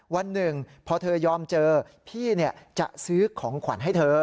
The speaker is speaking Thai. วันหนึ่งพอเธอยอมเจอพี่จะซื้อของขวัญให้เธอ